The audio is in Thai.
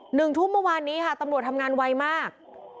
หนึ่งทุ่มเมื่อวานนี้ค่ะตำรวจทำงานไวมาก